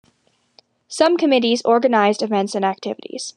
Some committees organized events and activities.